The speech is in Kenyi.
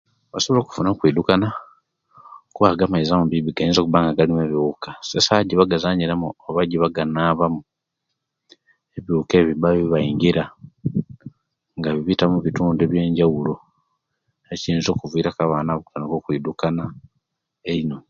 Osobola okufuna okwidukana kuba ago amaizi amabbibbi gainza okuba nga galimu ebiwuka so esawa ejjebangazanyiramu oba ejjebaganabamu ebiwuka ebyo bibba nga bibaangira nga bibita mubitundu ebyanjawulo ekiyinza okuviraku abana abo okutandika okwidukana eino